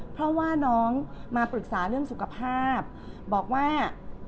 เพราะว่าน้องมาปรึกษาเรื่องสุขภาพบอกว่า